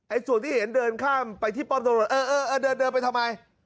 ส่วนที่เห็นเดินข้ามไปที่ป้อมตำรวจเออเออเดินเดินไปทำไม